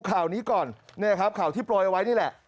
ข่าวนี้ก่อนข่าวที่ปล่อยไว้นี่แหละ